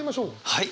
はい。